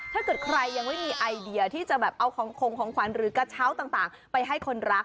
ถ้าเกิดใครยังไม่มีไอเดียที่จะแบบเอาของของขวัญหรือกระเช้าต่างไปให้คนรัก